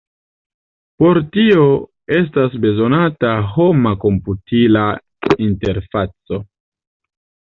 Por tio estas bezonata homa-komputila interfaco.